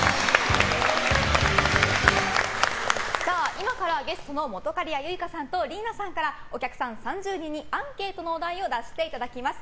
今からゲストの本仮屋ユイカさんとリイナさんからお客さん３０人に、アンケートのお題を出していただきます。